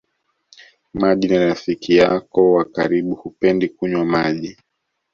Maji ni rafiki yako wa karibu hupendi kunywa maji